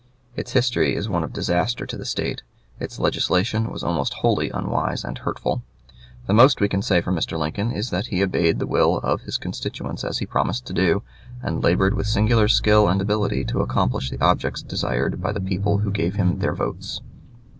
Its history is one of disaster to the State. Its legislation was almost wholly unwise and hurtful. The most we can say for Mr. Lincoln is that he obeyed the will of his constituents, as he promised to do, and labored with singular skill and ability to accomplish the objects desired by the people who gave him their votes.